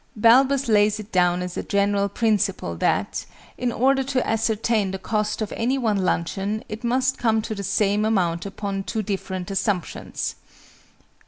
BALBUS lays it down as a general principle that "in order to ascertain the cost of any one luncheon, it must come to the same amount upon two different assumptions."